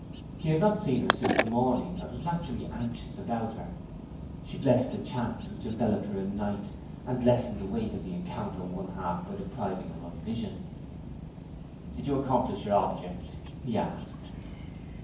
He had not seen her since the morning and was naturally anxious about her. She blessed the chance which enveloped her in night and lessened the weight of the encounter one half by depriving him of vision. 'Did you accomplish your object?' he asked.